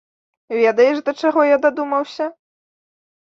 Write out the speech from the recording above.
Ведаеш, да чаго я дадумаўся?